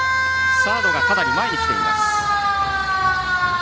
サードがかなり前に来ています。